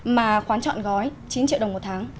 mà khoán chọn gói chín triệu đồng một tháng